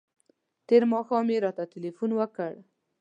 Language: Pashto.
تېر ماښام یې راته تلیفون وکړ.